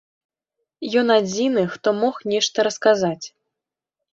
Ён адзіны, хто мог нешта расказаць.